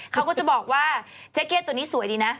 เขาก็จะบอกว่าเจ๊เก็ตตัวนี้สวยดีนะ